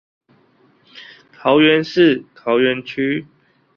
桃園市桃園區